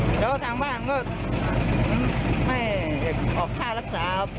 แล้วทางบ้านก็ไม่ออกค่ารักษา